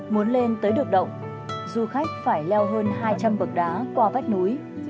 muốn lên tới được động du khách phải leo hơn hai trăm linh bậc đá qua vách núi